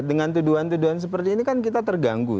dengan tuduhan tuduhan seperti ini kan kita terganggu